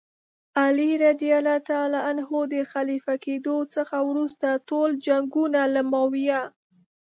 علي رض د خلیفه کېدلو څخه وروسته ټول جنګونه له معاویه.